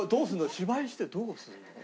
芝居してどうするの？